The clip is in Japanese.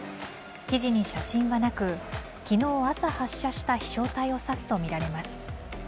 記事に写真はなく昨日朝、発射した飛翔体を指すとみられます。